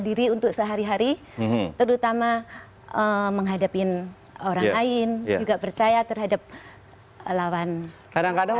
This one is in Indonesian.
diri untuk sehari hari terutama menghadapi orang lain juga percaya terhadap lawan kadang kadang